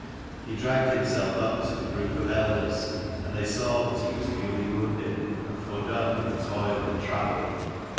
He dragged himself up to the group of elders, and they saw that he was newly wounded, and foredone with toil and travel.